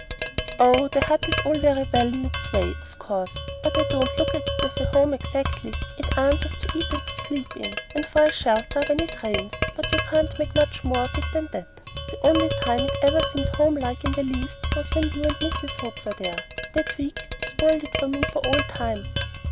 "Oh, the hut is all very well in its way, of course; but I don't look at it as a home exactly. It answers to eat and sleep in, and for a shelter when it rains; but you can't make much more of it than that. The only time it ever seemed home like in the least was when you and Mrs. Hope were there. That week spoiled it for me for all time."